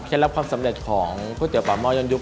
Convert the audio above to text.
เคล็ดรับความสำเร็จของพูดเตี๋ยวป่าม่อนยอนยุค